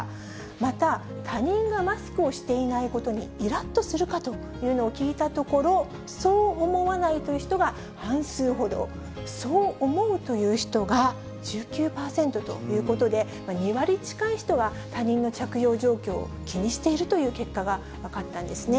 また、他人がマスクをしていないことにいらっとするかというのを聞いたところ、そう思わないという人が半数ほど、そう思うという人が１９％ということで、２割近い人は、他人の着用状況を気にしているという結果が分かったんですね。